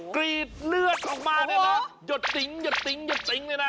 กรีดเลือดเข้ามาหยดติ๋งเลยนะ